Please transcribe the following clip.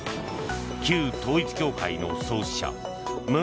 旧統一教会の創始者文